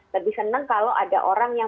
lebih senang kalau ada orang yang